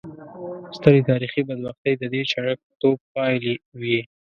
سترې تاریخي بدبختۍ د دې چټک ټوپ پایلې وې.